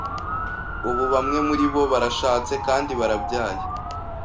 ubu bamwe muri bo barashatse kandi barabyaye.